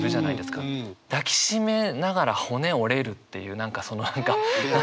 抱きしめながら骨折れるっていう何かその。